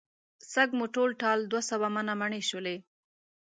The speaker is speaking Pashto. سږ مو ټول ټال دوه سوه منه مڼې شولې.